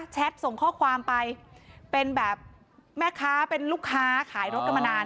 ส่งข้อความไปเป็นแบบแม่ค้าเป็นลูกค้าขายรถกันมานาน